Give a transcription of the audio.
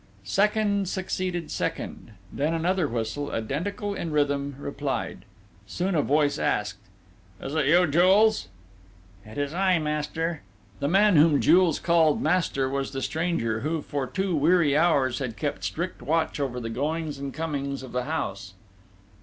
Second succeeded second; then another whistle, identical in rhythm, replied: soon a voice asked: "It's you, Jules?" "It is I, master!" The man whom Jules named "master," was the stranger, who, for two weary hours, had kept strict watch over the goings and comings of the house....